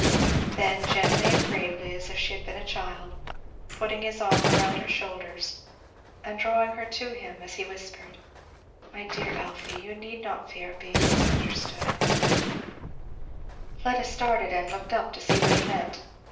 Then, gently and gravely as if she had been a child, putting his arm round her shoulders and drawing her to him he whispered, "My dear Elfie, you need not fear being misunderstood " Fleda started and looked up to see what he meant.